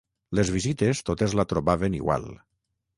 Les visites totes la trobaven igual